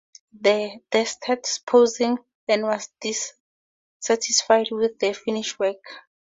She detested posing, and was dissatisfied with the finished work.